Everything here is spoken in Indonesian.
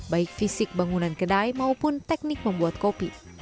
baik fisik bangunan kedai maupun teknik membuat kopi